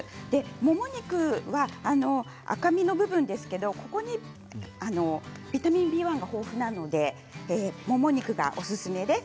もも肉は赤身の部分ですけれどここにビタミンＢ１が豊富なのでもも肉がおすすめです。